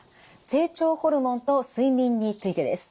成長ホルモンと睡眠についてです。